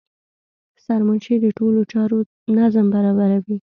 سرمنشي د ټولو چارو نظم برابروي.